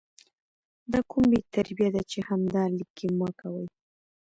دا کوم بې تربیه ده چې همدا 💩 لیکي مه کوي